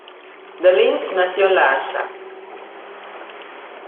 De Lint nació en La Haya.